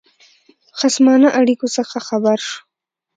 خصمانه اړېکو څخه خبر شو.